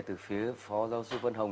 từ phía phó giáo sư vân hồng